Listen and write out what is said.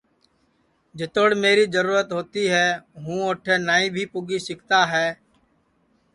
جِتوڑ میری جرورت ہوتی ہے ہوں اوٹھے نائی بھی پُگی سِکتا ہے